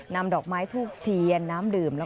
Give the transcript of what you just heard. นำดอกไม้ทูบเทียนน้ำดื่ม